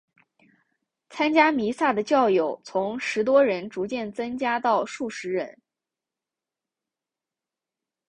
参加弥撒的教友从十多人逐渐增加到数十人。